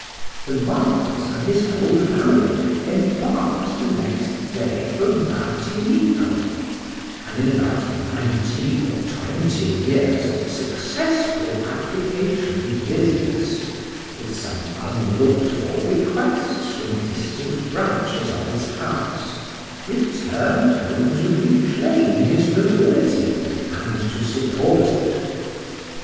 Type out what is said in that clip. The Marquis and his whole family embarked the next day for Martinico, and in about nineteen or twenty years of successful application to business, with some unlook'd for bequests from distant branches of his house, return home to reclaim his nobility, and to support it.